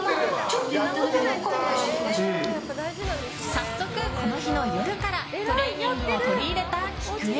早速、この日の夜からトレーニングを取り入れた喜久恵。